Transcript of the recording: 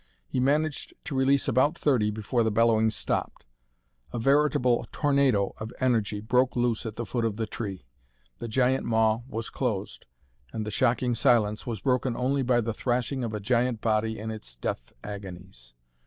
He managed to release about thirty before the bellowing stopped. A veritable tornado of energy broke loose at the foot of the tree. The giant maw was closed, and the shocking silence was broken only by the thrashing of a giant body in its death agonies.